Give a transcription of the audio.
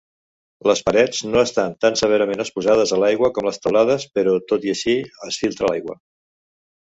Les parets no estan tan severament exposades a l'aigua com les teulades, però tot així es filtra l'aigua.